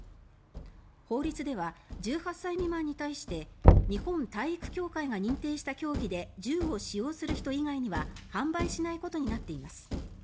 法律では１８歳未満に対して日本体育協会が認定した競技で銃を使用する人以外には販売しないことになっています。